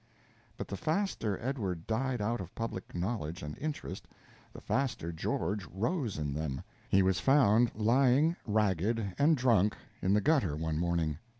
But the faster Edward died out of public knowledge and interest, the faster George rose in them. He was found lying, ragged and drunk, in the gutter one morning.